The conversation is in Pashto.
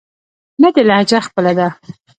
نه دې لهجه خپله ده.